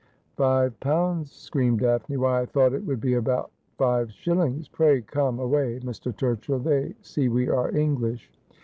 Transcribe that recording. ' Five pounds !' screamed Daphne :' why, I thought it would be about five shillings ! Pray come away, Mr. Turchill. They see we are English.'